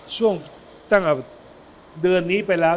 ช่วงตั้งแต่เดือนนี้ไปแล้ว